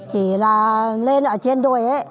thì là lên ở trên đồi ấy